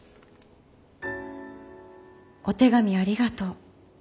「お手紙ありがとう。